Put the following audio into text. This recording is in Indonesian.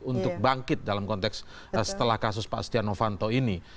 untuk bangkit dalam konteks setelah kasus pak setia novanto ini